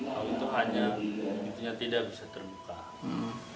kalau itu hanya tidak bisa terbuka